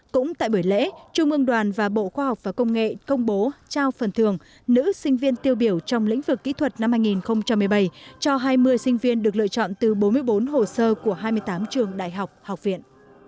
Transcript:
cũng tại buổi lễ trung ương đoàn và bộ khoa học và công nghệ công bố trao phần thường nữ sinh viên tiêu biểu trong lĩnh vực kỹ thuật năm hai nghìn một mươi bảy cho hai mươi sinh viên được lựa chọn từ bốn mươi bốn hồ sơ của hai mươi tám trường đại học học viện